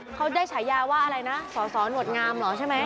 เขาได้ฉายาว่าอะไรนะสอสอหนวดงามเหรอใช่ไหม